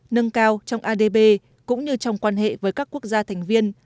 nâng cao trong adb cũng như trong quan hệ với các quốc gia thành viên